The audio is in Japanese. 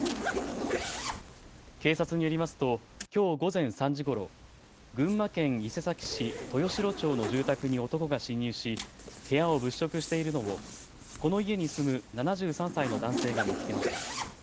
警察によりますときょう午前３時ごろ、群馬県伊勢崎市豊城町の住宅に男が侵入し部屋を物色しているのをこの家に住む７３歳の男性が見つけました。